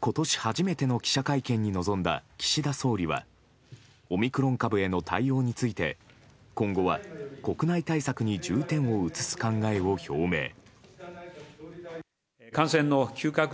今年初めての記者会見に臨んだ岸田総理はオミクロン株への対応について今後は国内対策に重点を移す考えを表明。